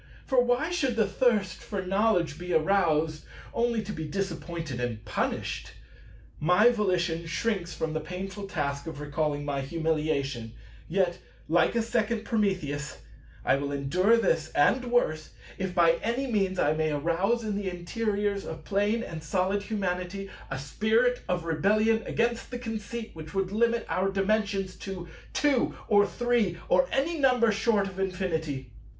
For why should the thirst for knowledge be aroused, only to be disappointed and punished? My volition shrinks from the painful task of recalling my humiliation; yet, like a second Prometheus, I will endure this and worse, if by any means I may arouse in the interiors of Plane and Solid Humanity a spirit of rebellion against the Conceit which would limit our Dimensions to Two or Three or any number short of Infinity.